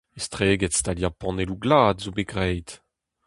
Estreget staliañ panelloù glad zo bet graet.